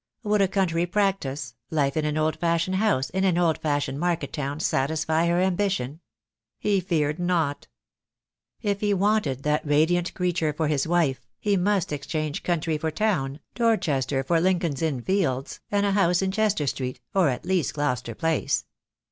Would a country practice, life in an old fashioned house in an old fashioned market town, satisfy her ambition? He feared not. If he wanted that radiant creature for his wife, he must exchange country for town, Dorchester for Lincoln's Inn Fields, and a house in Chester Street, or at least Gloucester Place.